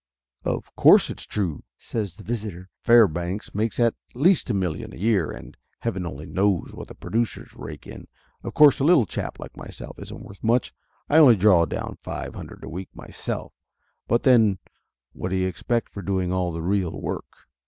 "Of course it's true," says the visitor. "Fairbanks makes at least a million a year, and heaven only knows what the producers rake in ! Of course a little chap like myself isn't worth much I only draw down five hun dred a week myself, but then, what do you expect for doing all the real work?"